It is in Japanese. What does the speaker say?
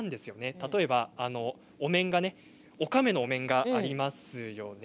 例えばお面がおかめの面がありますよね。